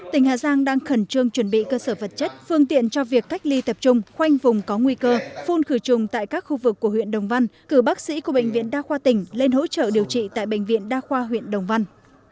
tỉnh hà giang đang khẩn trương chuẩn bị cơ sở vật chất phương tiện cho việc cách ly tập trung khoanh vùng có nguy cơ phun khử trùng tại các khu vực của huyện đồng văn cử bác sĩ của bệnh viện đa khoa tỉnh lên hỗ trợ điều trị tại bệnh viện đa khoa huyện đồng văn